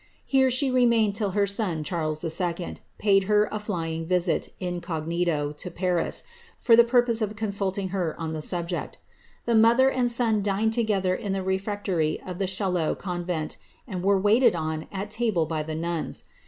Here she remained till her son^ Charles II., paid her a flying visit, incognito, to Paris, for the pur pose of consulting her on the subject. The mother and son dined together in the refectory of the Chaillot convent, and were waited on at table by the nuns.